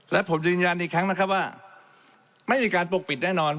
และผมยืนยันอีกครั้งนะครับว่าไม่มีการปกปิดแน่นอน